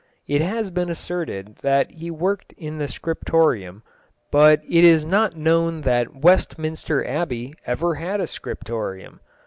It has been asserted that he worked in the scriptorium, but it is not known that Westminster Abbey ever had a scriptorium.